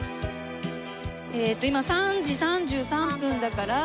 えっと今３時３３分だから。